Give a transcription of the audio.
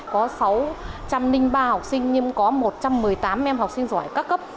có sáu trăm linh ba học sinh nhưng có một trăm một mươi tám em học sinh giỏi các cấp